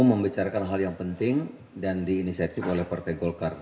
membicarakan hal yang penting dan diinisiatif oleh partai golkar